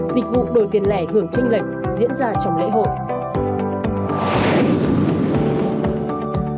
dịch vụ đổi tiền lẻ hưởng tranh lệch diễn ra trong lễ hội